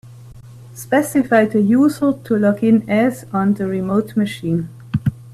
Specify the user to log in as on the remote machine.